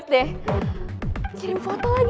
tapi lihat deh